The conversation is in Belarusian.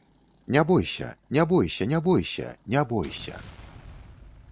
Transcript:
Не бойся, не бойся, не бойся, не бойся.